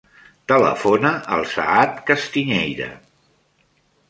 Telefona al Saad Castiñeira.